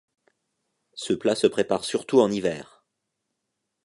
Ce plat se prépare surtout en hiver.